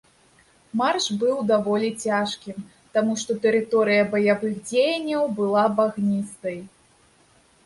Марш быў даволі цяжкім, таму што тэрыторыя баявых дзеянняў была багністай.